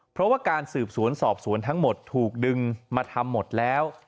เพราะว่าการสืบสวนสอบสวนทั้งหมดถูกดึงมาทำหมดแล้ว